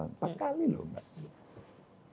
empat kali loh mbak